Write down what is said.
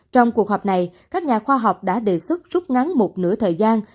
trong cuộc họp này các nhà khoa học đã đề xuất rút ngắn một nửa thời gian